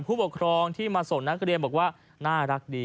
ผู้ปกครองที่มาส่งนักเรียนบอกว่า